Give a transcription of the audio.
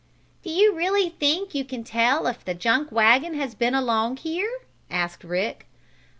"Do you really think you can tell if the junk wagon has been along here?" asked Rick.